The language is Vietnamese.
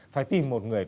phải tìm một người